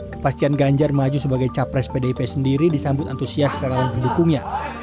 kepastian ganjar maju sebagai capres pdip sendiri disambut antusias relawan pendukungnya